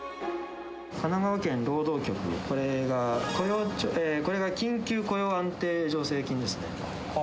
神奈川県労働局、これが緊急雇用安定助成金ですね。